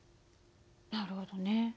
なるほどね。